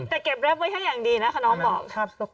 แต่เก็บแรปไว้ให้อย่างดีนะคะน้องบอก